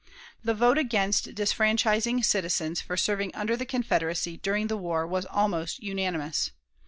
The vote against disfranchising citizens for serving under the Confederacy during the war was almost unanimous.